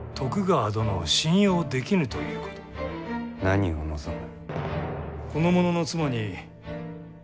何を望む？